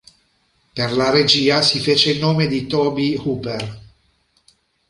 Per la regia si fece il nome di Tobe Hooper.